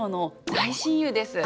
大親友で！